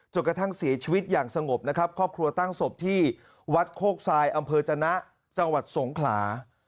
กระทั่งเสียชีวิตอย่างสงบนะครับครอบครัวตั้งศพที่วัดโคกทรายอำเภอจนะจังหวัดสงขลา